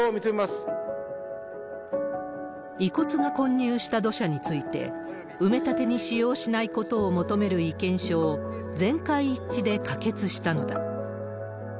遺骨が混入した土砂について、埋め立てに使用しないことを求める意見書を全会一致で可決したのだ。